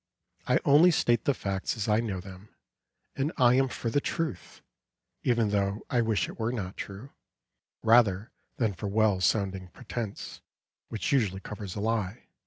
I only state the facts as I know them, and I am for the truth! even though I wish it were not true rather than for a well sounding pretence, which usually covers a lie.